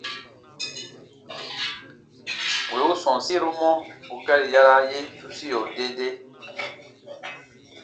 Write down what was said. Wì u sɔ̃ɔsiru mɔ̀ ù gari yaraa ye tusia dee dee.